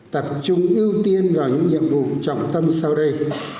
tập trung ưu tiên vào những nhiệm vụ trọng tâm sau đây